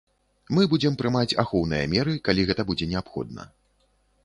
Мы будзем прымаць ахоўныя меры, калі гэта будзе неабходна.